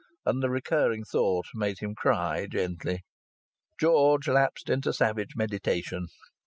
And the recurring thought made him cry gently. George lapsed into savage meditation.